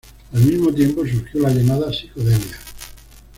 Al mismo tiempo surgió la llamada psicodelia.